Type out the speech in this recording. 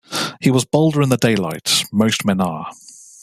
He was bolder in the daylight — most men are.